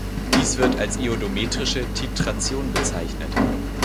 Dies wird als iodometrische Titration bezeichnet.